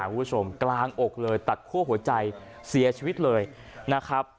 กลางอกเลยตัดคั่วหัวใจเสียชีวิตเลยนะครับ